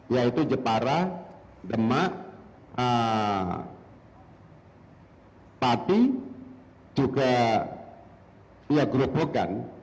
yaitu jepara demak pati juga gerobokan